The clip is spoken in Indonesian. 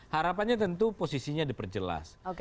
harapannya tentu posisinya diperjelas